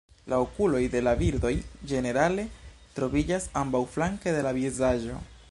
La okuloj de la birdoj ĝenerale troviĝas ambaŭflanke de la vizaĝo.